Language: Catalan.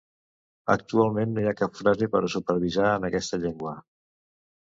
Actualment no hi cap frase per a supervisar en aquesta llengua.